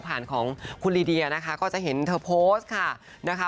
ผ่านของคุณลีเดียนะคะก็จะเห็นเธอโพสต์ค่ะ